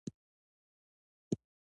ایوانان باید له ځان سره واخیستل شي.